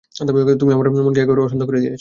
তুমি আমার মনকে একেবারেই অশান্ত করে দিয়েছ।